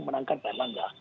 menangkan pak erlangga